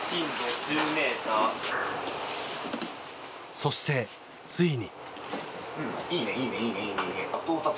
そして、ついに。